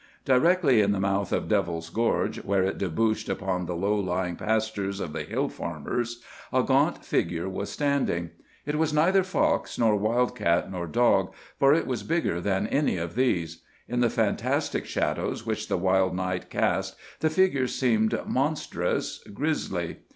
Directly in the mouth of Devil's Gorge, where it debouched upon the low lying pastures of the hill farmers, a gaunt figure was standing. It was neither fox, nor wild cat, nor dog, for it was bigger than any of these. In the fantastic shadows which the wild night cast the figure seemed monstrous, grisly.